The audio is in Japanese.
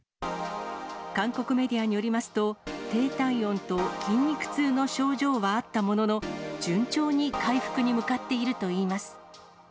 韓国メディアによりますと、低体温と筋肉痛の症状はあったものの、順調に回復に向かっているといいます。